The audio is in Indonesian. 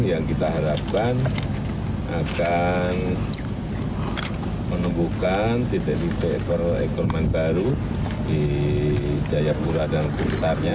yang kita harapkan akan menumbuhkan titik titik perekonomian baru di jayapura dan sekitarnya